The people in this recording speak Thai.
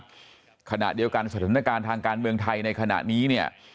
ขณะเดียวกันสถานการณ์ทางการเมืองไทยในขณะนี้เนี่ย